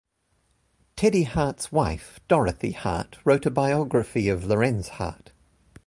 Teddy Hart's wife, Dorothy Hart, wrote a biography of Lorenz Hart.